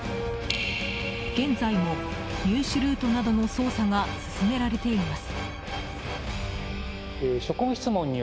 現在も入手ルートなどの捜査が進められています。